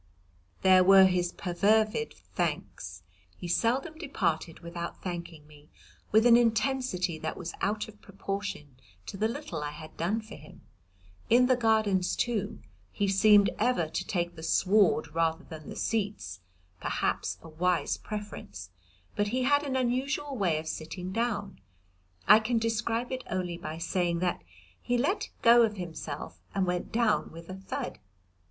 There were his perfervid thanks. He seldom departed without thanking me with an intensity that was out of proportion to the little I had done for him. In the Gardens, too, he seemed ever to take the sward rather than the seats, perhaps a wise preference, but he had an unusual way of sitting down. I can describe it only by saying that he let go of himself and went down with a thud.